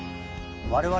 我々